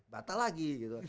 batal lagi gitu